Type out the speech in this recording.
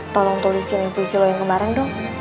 tolong tulisin puisi lo yang kemarin dong